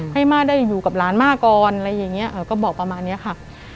ให้ม่าได้อยู่กับร้านม่ากรอะไรอย่างเงี้ยก็บอกประมาณเนี้ยค่ะ